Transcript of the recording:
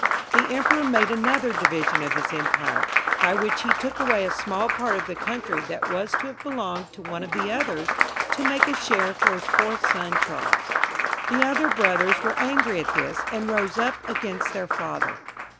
The emperor made another division of his empire, by which he took away a small part of the country that was to have belonged to one of the others, to make a share for his fourth son Charles. The other brothers were angry at this, and rose up against their father.